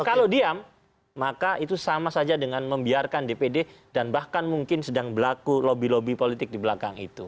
kalau diam maka itu sama saja dengan membiarkan dpd dan bahkan mungkin sedang berlaku lobby lobby politik di belakang itu